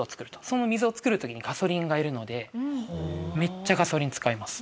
その水を作る時にガソリンがいるのでめっちゃガソリン使います。